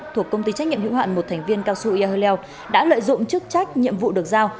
thuộc công ty trách nhiệm hiệu hạn một thành viên cao su ia heo leo đã lợi dụng chức trách nhiệm vụ được giao